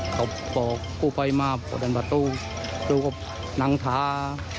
เขาบอกรูไฟมาดันบัตรตู้ตู้ก็นังทา